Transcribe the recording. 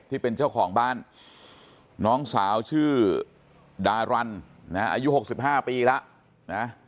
ที่เป็นเจ้าของบ้านน้องสาวชื่อดารันนะอายุ๖๕ปีแล้วนะ